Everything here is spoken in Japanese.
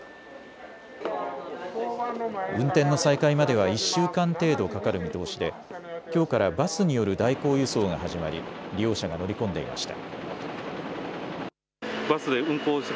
運転の再開までは１週間程度かかる見通しできょうからバスによる代行輸送が始まり利用者が乗り込んでいました。